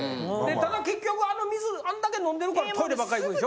ただ結局あの水あんだけ飲んでるからトイレばっか行くんでしょ？